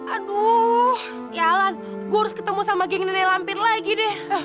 aduh sialan gue harus ketemu sama ging ini lampir lagi deh